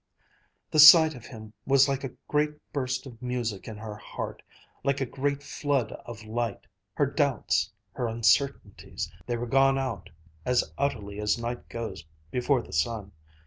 The sight of him was like a great burst of music in her heart, like a great flood of light. Her doubts, her uncertainties, they were gone out, as utterly as night goes before the sun.